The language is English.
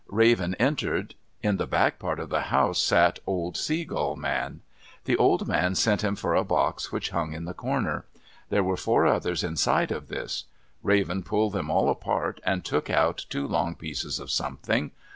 Raven entered. In the back part of the house sat old Sea Gull Man. The old man sent him for a box which hung in the corner. There were four others inside of this. Raven pulled them all apart and took out two long pieces of something.